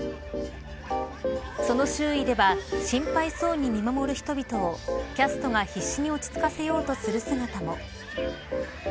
その周囲では心配そうに見守る人々をキャストが、必死に落ち着かせようとする姿も。